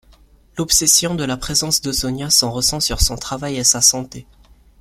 L'obsession de la présence de Sonia s'en ressent sur son travail et sa santé.